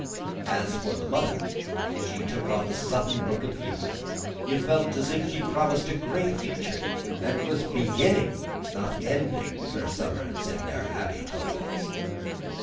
As for the mother, she took on a sudden look of youth; you felt as if she promised a great future, and was beginning, not ending, her summers and their happy toils.